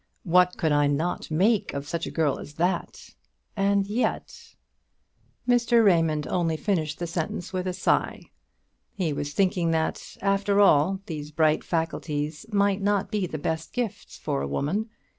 What could I not make of such a girl as that? And yet " Mr. Raymond only finished the sentence with a sigh. He was thinking that, after all, these bright faculties might not be the best gifts for a woman.